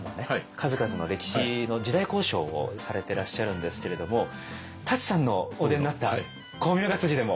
数々の歴史の時代考証をされてらっしゃるんですけれども舘さんのお出になった「功名が」でも。